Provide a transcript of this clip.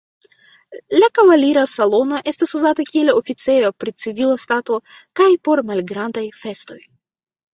La kavalira salono estas uzata kiel oficejo pri civila stato kaj por malgrandaj festoj.